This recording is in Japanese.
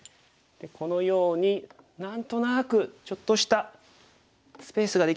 このように何となくちょっとしたスペースができそうですよね。